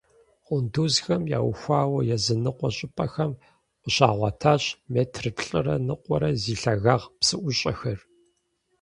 Къундузхэм яухуауэ языныкъуэ щӀыпӀэхэм къыщагъуэтащ метр плӀырэ ныкъуэрэ зи лъагагъ псыӀущӀэхэр.